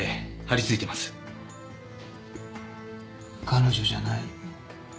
彼女じゃない。